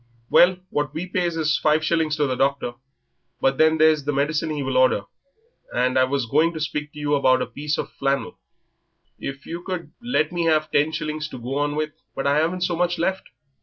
"Well, what we pays is five shillings to the doctor, but then there's the medicine he will order, and I was going to speak to you about a piece of flannel; if yer could let me have ten shillings to go on with." "But I haven't so much left.